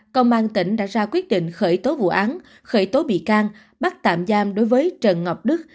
công an tỉnh đã ra quyết định khởi tố vụ án khởi tố bị can bắt tạm giam đối với trần ngọc đức